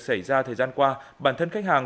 xảy ra thời gian qua bản thân khách hàng